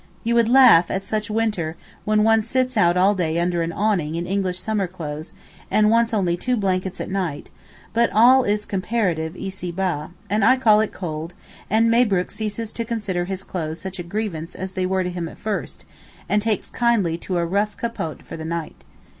You would laugh at such winter when one sits out all day under an awning in English summer clothes, and wants only two blankets at night; but all is comparative ici bas, and I call it cold, and Mabrook ceases to consider his clothes such a grievance as they were to him at first, and takes kindly to a rough capote for the night.